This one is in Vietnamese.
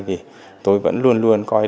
thì tôi vẫn luôn luôn coi đó